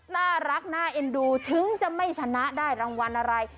น่ารักน่าเอ็นดูถึงจะไม่ชนะได้รางวัลอะไร